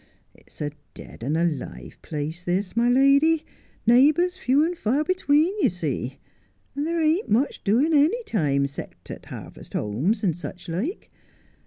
It's a dead and alive place, this, my lady, neighbours few and far between, you see ; and there ain't much doing any time, except at harvest homes, and such like.